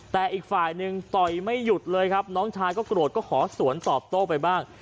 แต่อีกฝ่ายหนึ่งต่อยไม่หยุดเลยครับน้องชายก็โกรธก็ขอสวนตอบโต้ไปบ้าง